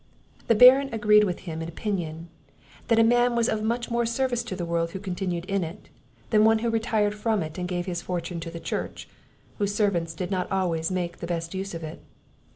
The Baron agreed with him in opinion, that a man was of much more service to the world who continued in it, than one who retired from it, and gave his fortune to the Church, whose servants did not always make the best use of it.